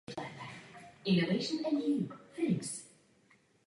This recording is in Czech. Box Clubu Galanta.